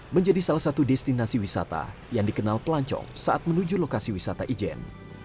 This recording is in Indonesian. menjadi salah satu destinasi wisata yang dikenal pelancong saat menuju lokasi wisata ijen